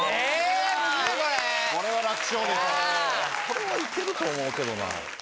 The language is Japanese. これはイケると思うけどな